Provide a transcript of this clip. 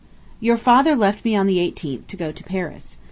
Your father left me on the 18th to go to Paris.